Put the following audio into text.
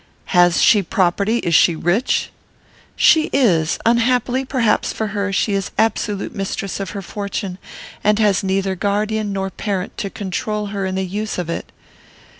"Has she property? Is she rich?" "She is. Unhappily, perhaps, for her, she is absolute mistress of her fortune, and has neither guardian nor parent to control her in the use of it."